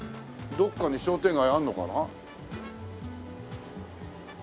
どこかに商店街あるのかな？